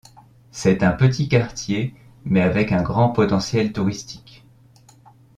C'est un petit quartier mais avec un grand potentiel touristique.